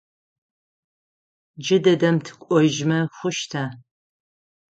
Джыдэдэм тыкӏожьмэ хъущта?